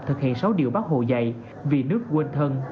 thực hiện sáu điều bác hồ dạy vì nước quên thân vì dân phục vụ